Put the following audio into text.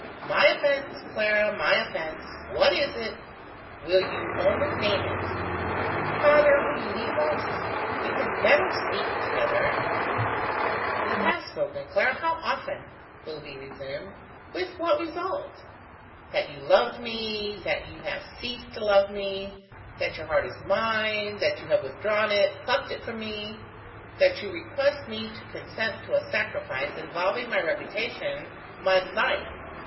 "My offence, Clara, my offence! What is it? Will you only name it?" "Father, will you leave us? We can better speak together ..." "We have spoken, Clara, how often!" Willoughby resumed, "with what result? that you loved me, that you have ceased to love me: that your heart was mine, that you have withdrawn it, plucked it from me: that you request me to consent to a sacrifice involving my reputation, my life.